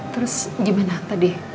terus gimana tadi